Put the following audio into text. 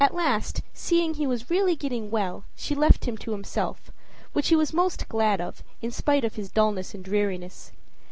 At last, seeing he really was getting well, she left him to himself which he was most glad of, in spite of his dullness and dreariness.